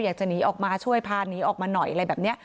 อยากจะหนีออกมาช่วยพาหนีออกมาหน่อยอะไรแบบนี้